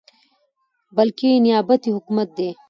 بلكې نيابتي حكومت دى ،